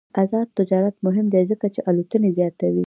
آزاد تجارت مهم دی ځکه چې الوتنې زیاتوي.